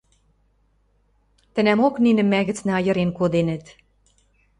Тӹнӓмок нинӹм мӓ гӹцнӓ айырен коденӹт...